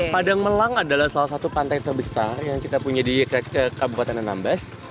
padang melang adalah salah satu pantai terbesar yang kita punya di kabupaten anambas